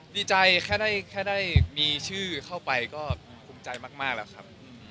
ดีใจแค่ได้มีชื่อเข้าไปก็ภูมิใจมากแล้วครับ